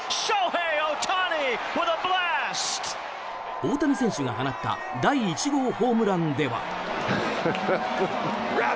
大谷選手が放った第１号ホームランでは。